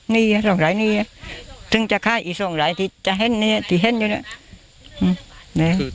นี่ส่องหลายนี่ตึงจะขายอีกสรงหลายจะเห็นวิธีอยู่เลย